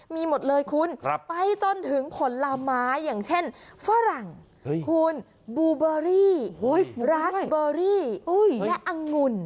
มีหมดเลยคุณไปจนถึงผลไม้อย่างเช่นฝรั่งคุณบูเบอรี่ราสเบอรี่และอังุ่น